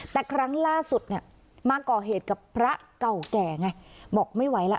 แต่ครั้งล่าสุดเนี่ยมาก่อเหตุกับพระเก่าแก่ไงบอกไม่ไหวแล้ว